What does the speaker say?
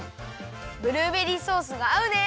ブルーベリーソースがあうね。